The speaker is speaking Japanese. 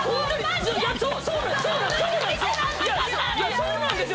そうなんですよ！